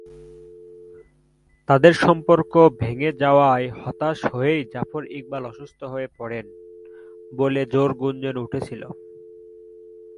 তাদের সম্পর্ক ভেঙ্গে যাওয়ায় হতাশ হয়েই জাফর ইকবাল অসুস্থ হয়ে পড়েন বলে জোর গুঞ্জন উঠেছিল।